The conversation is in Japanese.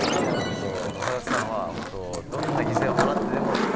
雅和さんはどんな犠牲を払ってでも常に選手